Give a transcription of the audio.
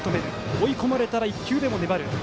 追い込まれたら１球でも粘る。